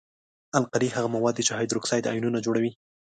القلي هغه مواد دي چې هایدروکساید آیونونه جوړوي.